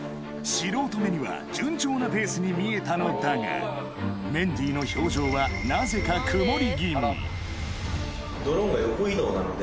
素人目には順調なペースに見えたのだがメンディーの表情はなぜか胸ボン！